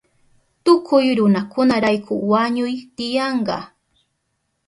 Tukuy runakunarayku wañuy tiyanka.